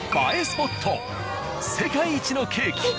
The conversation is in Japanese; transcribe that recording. スポット世界一のケーキ。